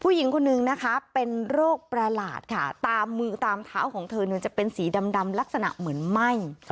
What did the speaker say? ผู้หญิงคนนึงนะคะเป็นโรคประหลาดค่ะตามมือตามเท้าของเธอจะเป็นสีดำลักษณะเหมือนไหม้